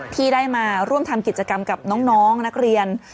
ที่ได้มาร่วมทำกิจกรรมกับน้องนักเรียน